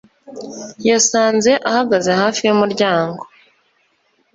yasanze ahagaze hafi yumuryango